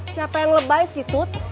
siapa yang lebay sih tut